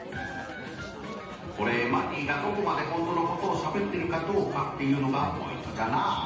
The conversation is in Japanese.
これマギーがどこまでホントのことをしゃべってるかどうかっていうのがポイントじゃな。